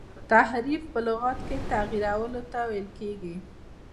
تحریف په لغت کي تغیرولو ته ویل کیږي.